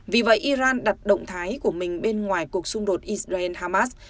vì vậy iran đặt động thái của mình bên ngoài cuộc xung đột israel hamas